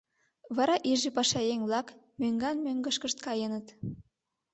Вара иже пашаеҥ-влак мӧҥган-мӧҥгышкышт каеныт.